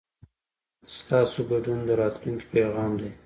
ستاسو ګډون د راتلونکي پیغام دی.